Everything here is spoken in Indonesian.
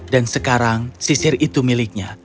dan sekarang sisir itu miliknya